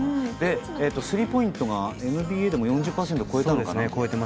スリーポイントがＮＢＡでも４０％を超えているんだよね。